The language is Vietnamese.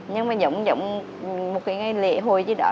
nhưng mà giống như một cái ngày lễ hồi chứ đó